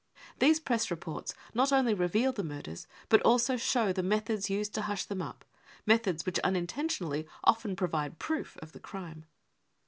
55 These Press reports not only reveal the murders but also show the methods used to hush them up — methods which unintentionally often provide proof of the crime.